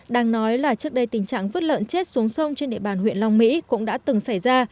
đang nói là trước đây tình trạng vứt lợn chết xuống sông trên địa bàn huyện long mỹ cũng đã từng xảy ra